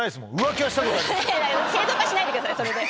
正当化しないでくださいそれで。